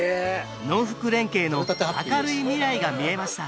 農福連携の明るい未来が見えました